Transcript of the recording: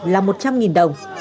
là một trăm linh đồng